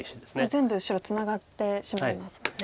全部白ツナがってしまいますもんね。